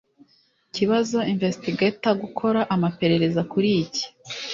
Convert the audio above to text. kibazo investigator gukora amaperereza kuri iki